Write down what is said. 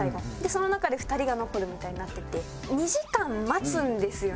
その中で２人が残るみたいになってて。